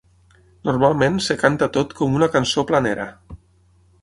Normalment es canta tot com una cançó planera.